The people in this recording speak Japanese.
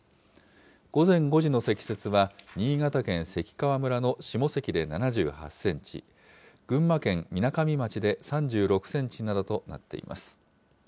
午前５時の積雪は、新潟県関川村の下関で７８センチ、群馬県みなかみ町で３６センチなどとなっています。